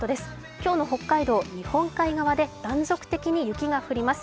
今日の北海道、日本海側で断続的に雪が降ります。